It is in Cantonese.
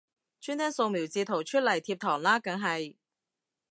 專登掃瞄截圖出嚟貼堂啦梗係